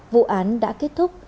vụ án đã kết thúc